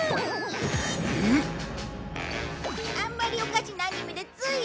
あんまりおかしなアニメでつい。